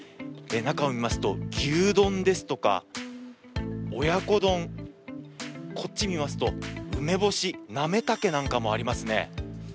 中を見ますと、牛丼ですとか親子丼、こっちを見ますと梅干し、なめたけなんかもありますね。